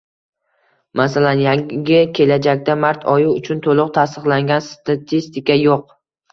Masalan, yaqin kelajakda mart oyi uchun to'liq tasdiqlangan statistika yo'q